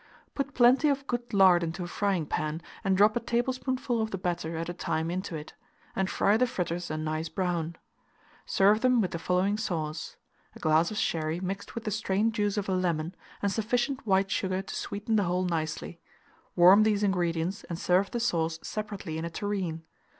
Put plenty of good lard into a frying pan, and drop a tablespoonful of the batter at a time into it, and fry the fritters a nice brown. Serve them with the following sauce: A glass of sherry mixed with the strained juice of a lemon, and sufficient white sugar to sweeten the whole nicely. Warm these ingredients, and serve the sauce separately in a tureen.